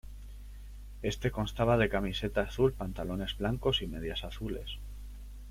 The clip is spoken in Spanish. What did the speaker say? Éste constaba de camiseta azul, pantalones blancos y medias azules.